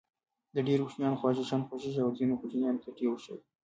د ډېرو کوچنيانو خواږه شيان خوښېږي او د ځينو کوچنيانو تريؤ شی.